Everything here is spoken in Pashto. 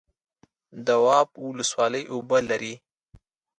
دواب ولسوالۍ اوبه لري؟